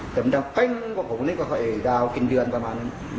แต่มันจะเป้งพวกผมนี่ก็ไอ้ดาวกินเดือนประมาณนั้น